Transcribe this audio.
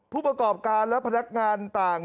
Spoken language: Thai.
ผู้ประกอบการและพนักงานต่าง